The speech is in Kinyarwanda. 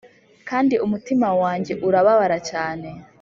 kandi umutima wanjye urababara cyane--